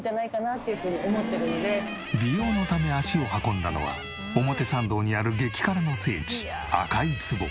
美容のため足を運んだのは表参道にある激辛の聖地赤い壺。